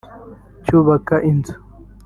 cyubaka inzu